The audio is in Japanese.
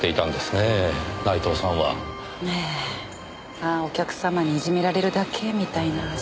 まあお客様にいじめられるだけみたいな仕事です。